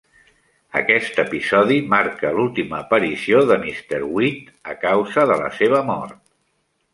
Aquest episodi marca l'última aparició de Mr. Weed a causa de la seva mort.